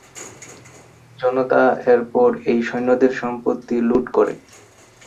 জনতা এরপর এই সৈন্যদের সম্পত্তি লুঠ করে।